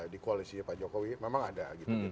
di koalisi pak jokowi memang ada